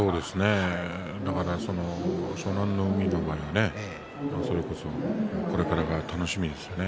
だから湘南乃海の場合それこそ、これから楽しみですよね。